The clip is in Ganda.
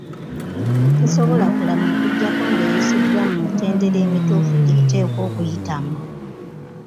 Tesobola kulama okuggyako ng'eyisiddwa mu mitendera emituufu gy’eteekwa okuyitamu.